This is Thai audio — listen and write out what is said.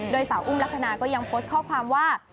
โดยสาวอุ้มลักษณะก็ยังโพสต์ข้อความว่า